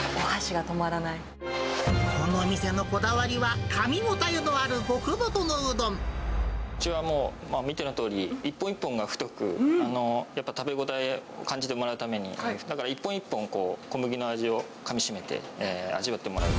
この店のこだわりは、かみ応うちはもう、見てのとおり、一本一本が太く、やっぱ食べ応えを感じてもらうために、だから一本一本、小麦の味をかみしめて味わってもらう。